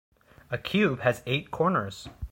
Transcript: A cube has eight corners.